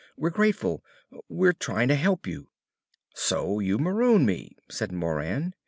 We're grateful! We're trying to help you!" "So you maroon me," said Moran.